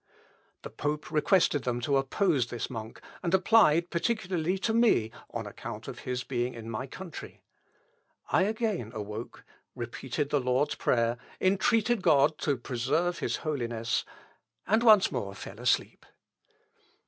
The pope requested them to oppose this monk, and applied particularly to me, on account of his being in my country. I again awoke, repeated the Lord's Prayer, entreated God to preserve his Holiness, and once more fell asleep.